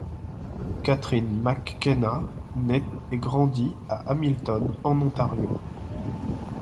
Catherine McKenna naît et grandit à Hamilton, en Ontario.